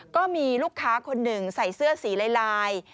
ก็มีลูกค้าคนหนึ่งใส่เสื้อสีลาย